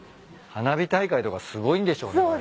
花火大会とかすごいんでしょうね。